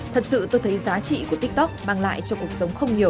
thật sự tôi thấy giá trị của tiktok mang lại cho cuộc sống không nhiều